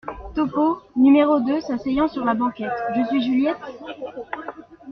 Topeau , n° deux, s’asseyant sur la banquette. — Je suis Juliette ?